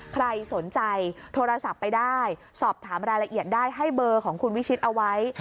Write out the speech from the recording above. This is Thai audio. ใครสนใจโทรศัพท์ไปได้สอบถามรายละเอียดได้ให้เบอร์ของคุณวิชิตเอาไว้